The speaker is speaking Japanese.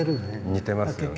似てますよね。